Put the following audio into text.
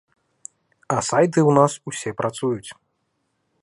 А сайты ў нас усе працуюць.